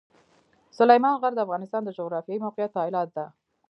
سلیمان غر د افغانستان د جغرافیایي موقیعت پایله ده.